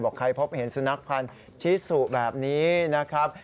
ใครพบเห็นสุนัขพันธ์ชิสุแบบนี้นะครับ